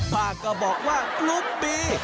บ้างก็บอกว่ากรุ๊ปบี